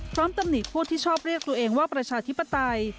ตำหนิผู้ที่ชอบเรียกตัวเองว่าประชาธิปไตย